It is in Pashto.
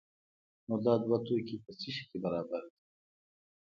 نو دا دوه توکي په څه شي کې برابر دي؟